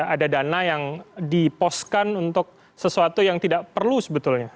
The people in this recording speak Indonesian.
ada dana yang dipostkan untuk sesuatu yang tidak perlu sebetulnya